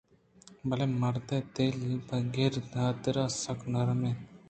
بلئے مرد ءِ دل پہ دگرانی حاترا سک نرم اِنت